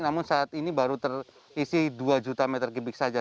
namun saat ini baru terisi dua juta meter kubik saja